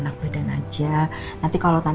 oke di sini rizwan